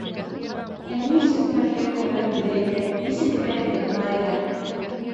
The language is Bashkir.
Ә ни өсөн Ғәлиә күберәк белә икән, нисек уйлайһығыҙ, малайҙар?